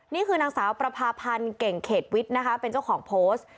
นี่คือนางสาวประพาพันธ์เก่งเขตวิทย์นะคะเป็นเจ้าของโพสต์